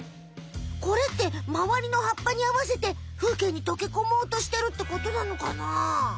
これってまわりのはっぱにあわせて風景にとけこもうとしてるってことなのかな？